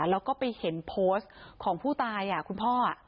แล้วก็ไปเห็นโพสต์ของผู้ตายคุณพ่อ